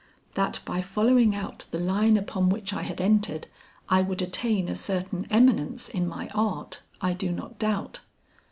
That by following out the line upon which I had entered I would attain a certain eminence in my art, I do not doubt.